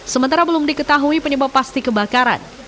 sementara belum diketahui penyebab pasti kebakaran